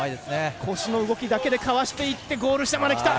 腰の動きだけでかわしていってゴール下まで来た。